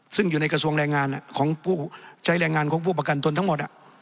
ซึ่งอยู่ในกระทรวงแรงงานของผู้ใช้แรงงานของผู้ประกันตนทั้งหมด